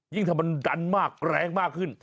ยิ่งทำให้มันดันมากแรงมากขึ้น